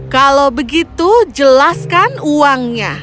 kalau begitu jelaskan uangnya